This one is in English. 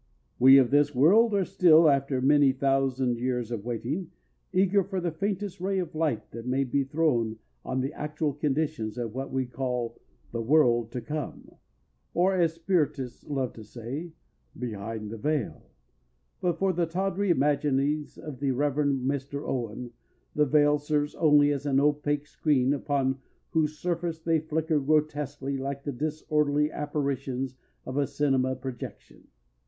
We of this world are still, after many thousand years of waiting, eager for the faintest ray of light that may be thrown on the actual conditions of what we call "the world to come," or as the Spiritists love to say, "behind the veil," but for the tawdry imaginings of the Reverend Mr. Owen the "Veil" serves only as an opaque screen upon whose surface they flicker grotesquely like the disorderly apparitions of a cinema projection.